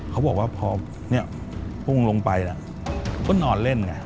เขาบอกว่าพอพุ่งลงไปก็นอนเล่นไง